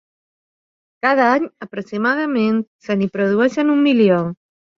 Cada any, aproximadament, se n’hi produeixen un milió.